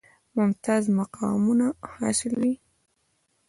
ممتاز مقامونه حاصلوي.